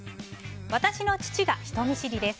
私の父が人見知りです。